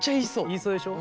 言いそうでしょ？